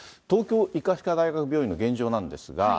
東京医科歯科大学病院の現状なんですが。